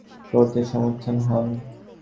তিনি তার মত ও প্রভাব বিস্তার করতে সমর্থ হন।